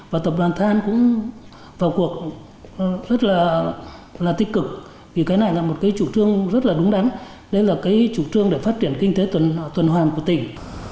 và tập đoàn than cũng vào cuộc rất là tích cực vì cái này là một cái chủ trương rất là đúng đắn đấy là cái chủ trương để phát triển kinh tế tuần hoàn của tỉnh